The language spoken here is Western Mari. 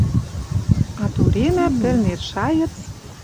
А туренӓ пӹл нер шайыц